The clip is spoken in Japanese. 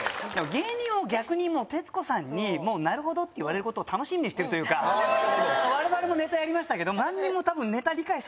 芸人は逆に徹子さんに「なるほど」って言われることを楽しみにしてるというか我々もネタやりましたけど。